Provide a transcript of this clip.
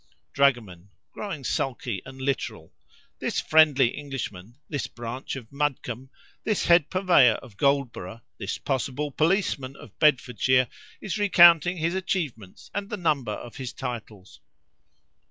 Dragoman (growing, sulky and literal).—This friendly Englishman—this branch of Mudcombe—this head purveyor of Goldborough—this possible policeman of Bedfordshire, is recounting his achievements, and the number of his titles.